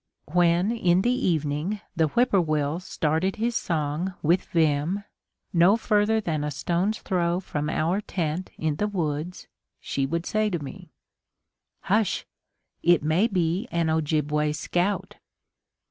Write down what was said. When in the evening the whippoorwill started his song with vim, no further than a stone's throw from our tent in the woods, she would say to me: "Hush! It may be an Ojibway scout!"